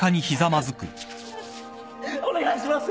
お願いします。